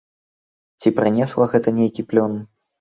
Ці прынесла гэта нейкі плён?